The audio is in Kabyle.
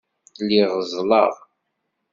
Lliɣ ẓẓleɣ.